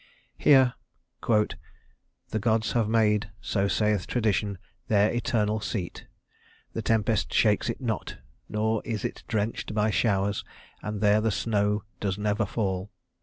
Here "the gods have made, So saith tradition, their eternal seat; The tempest shakes it not, nor is it drenched By showers, and there the snow does never fall.